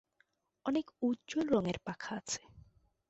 অনেক উজ্জ্বল রঙের পাখা আছে।